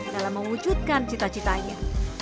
dalam mewujudkan cita citanya